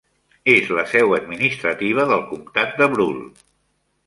És la seu administrativa del comtat de Brule.